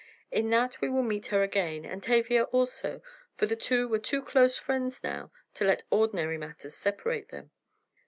In that we will meet her again, and Tavia also, for the two were too close friends now to let ordinary matters separate them.